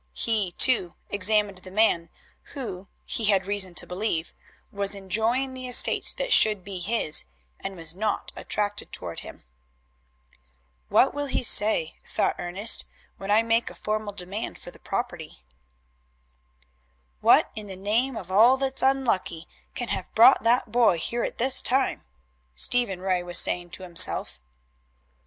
He, too, examined the man who, he had reason to believe, was enjoying the estates that should be his, and was not attracted toward him. "What will he say," thought Ernest, "when I make a formal demand for the property?" "What in the name of all that's unlucky can have brought that boy here at this time?" Stephen Ray was saying to himself.